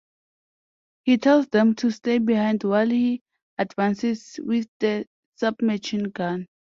He tells them to stay behind while he advances with the submachine gun.